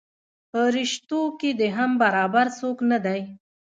پریشتو کې دې هم برابر څوک نه دی.